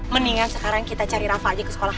mendingan sekarang kita cari rafa aja ke sekolah